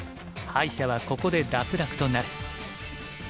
敗者はここで脱落となる。